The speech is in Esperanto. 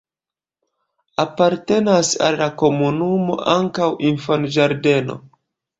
Apartenas al la komunumo ankaŭ infanĝardeno.